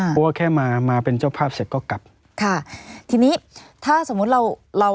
เพราะว่าแค่มามาเป็นเจ้าภาพเสร็จก็กลับค่ะทีนี้ถ้าสมมุติเราเรา